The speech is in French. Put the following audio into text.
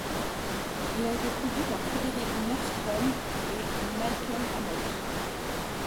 Il a été produit par Frederick Norström et Michael Amott.